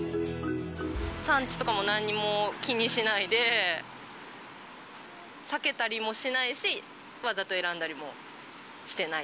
産地とかもなんにも気にしないで、避けたりもしないし、わざと選んだりもしてない。